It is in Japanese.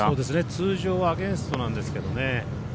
通常アゲンストなんですけどね。